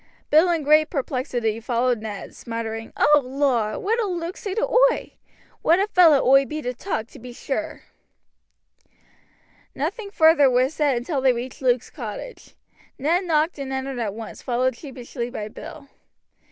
Bill in great perplexity followed Ned, muttering: "Oh, Lor'! what ull Luke say to oi? What a fellow oi be to talk, to be sure!" Nothing further was said until they reached Luke's cottage. Ned knocked and entered at once, followed sheepishly by Bill.